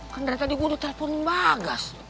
kan dari tadi gue udah telponin bagas